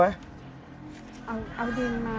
เจอไหม